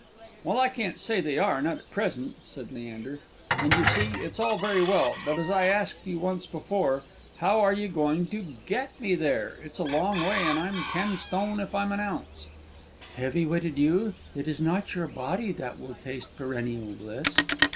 "Well, I can't say they are; not at present," said Leander. "And, you see, it's all very well; but, as I asked you once before, how are you going to get me there? It's a long way, and I'm ten stone, if I'm an ounce!" "Heavy witted youth, it is not your body that will taste perennial bliss."